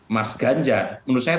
mas ganjar menurut saya